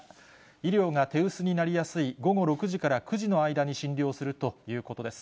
医療が手薄になりやすい午後６時から９時の間に診療するということです。